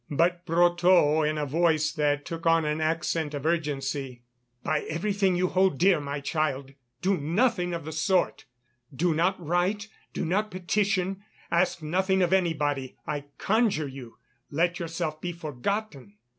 But Brotteaux in a voice that took on an accent of urgency: "By everything you hold dear, my child, do nothing of the sort! Do not write, do not petition; ask nothing of anybody, I conjure you, let yourself be forgotten."